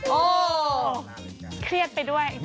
โอ้เครียดไปด้วย